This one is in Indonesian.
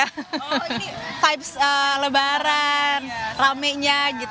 oh ini lebaran ramai banget